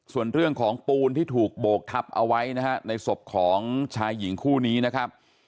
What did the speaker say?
ส่วนเรื่องของปูนที่ถูกโบกทับเอาไว้นะฮะในศพของชายหญิงคู่นี้นะครับ